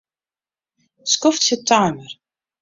Skoftsje timer.